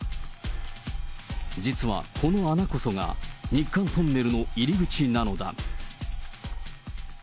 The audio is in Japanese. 実はこの穴こそが、日韓トンネルの入り口なのだ。